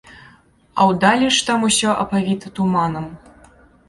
А ўдалеч там усё апавіта туманам.